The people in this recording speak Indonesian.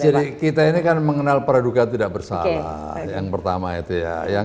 jadi kita ini kan mengenal para duka tidak bersalah yang pertama itu ya